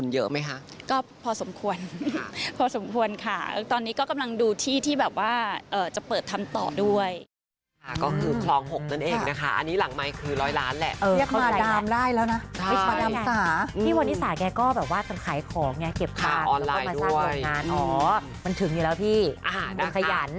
ใช่ค่ะพี่วันนี้สาวแกก็แบบว่าต้องขายของไงเก็บบัตรแล้วก็มาสร้างโดยงานอ๋อมันถึงอยู่แล้วพี่มันขยัน